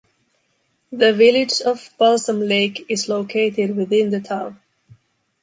The Village of Balsam Lake is located within the town.